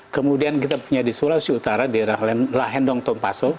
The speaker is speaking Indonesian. kemudian kita punya di sulawesi utara daerah lahendong tompaso